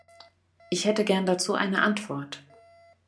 Ich hätte gern dazu eine Antwort.